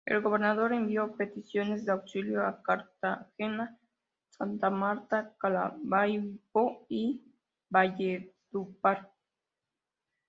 El gobernador envió peticiones de auxilio a Cartagena, Santa Marta, Maracaibo y Valledupar.